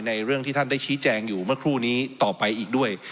เรื่องที่ท่านได้ชี้แจงอยู่เมื่อครู่นี้ต่อไปอีกด้วย